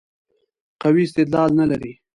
قوي استدلال نه لري.